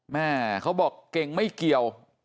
แม่เขาบอกเก่งไม่เกี่ยว